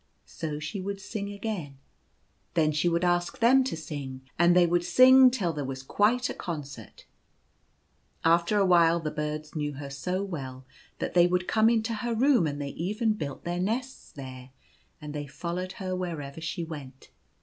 So she would sing again. Then she would ask them to sing, and they would sing till there was quite a con cert. After a while the birds knew her so well that they would come into her room, and they even built their nests there, and they followed her wherever she went.